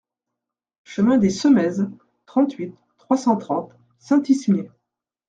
Chemin des Semaises, trente-huit, trois cent trente Saint-Ismier